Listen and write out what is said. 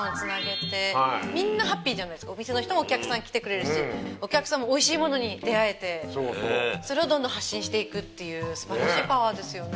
お店の人もお客さん来てくれるしお客さんもおいしいものに出会えてそれをどんどん発信していくっていう素晴らしいパワーですよね。